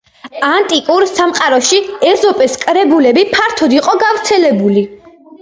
ანტიკურ სამყაროში ეზოპეს კრებულები ფართოდ იყო გავრცელებული.